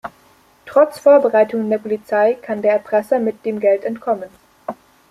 Trotz Vorbereitungen der Polizei kann der Erpresser mit dem Geld entkommen.